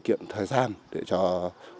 của đồng bào nơi đây